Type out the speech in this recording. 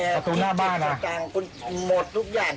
ประตูหน้าบ้านเหรอคุณพี่ประสิทธิ์ค่ะหมดทุกอย่าง